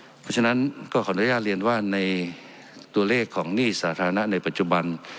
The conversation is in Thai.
เพราะฉะนั้นก็ขออนุญาตเรียนว่าในตัวเลขของหนี้สาธารณะในปัจจุบัน